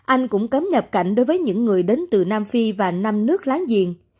anh cũng cấm các chuyến bay từ nam phi và khu vực lân cận